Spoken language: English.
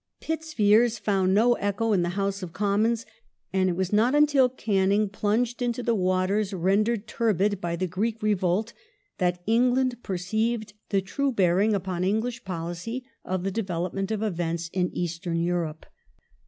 Pitt's fears found no echo in the House of Commons, and it was not until Canning plunged into the waters rendered turbid by the Greek revolt, that England perceived the true bearing upon English policy of the development of events in Eastern Europe.